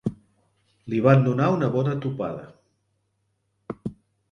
Li van donar una bona tupada.